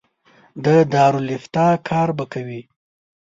د دارالافتا کار به کوي.